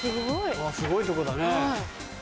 うわすごいとこだね！